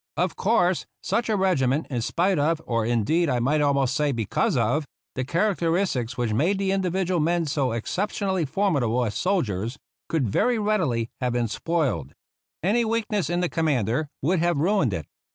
Of course, such a regiment, in spite of, or indeed I might almost say because of, the characteristics which made the individual men so 29 THE ROUGH RIDERS exceptionally formidable as soldiers, could very readily have been spoiled. Any weakness in the commander would have ruined it.